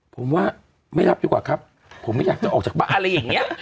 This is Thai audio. ผมว่าไม่รับดีกว่าครับผมไม่อยากจะออกจากบ้านอะไรอย่างนี้